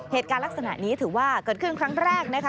เหตุการณ์ลักษณะนี้ถือว่าเกิดขึ้นครั้งแรกนะคะ